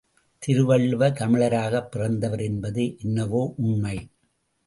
திருவள்ளுவர் தமிழராகப் பிறந்தவர் என்பது என்னவோ உண்மை.